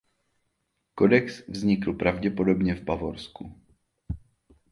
Kodex vznikl pravděpodobně v Bavorsku.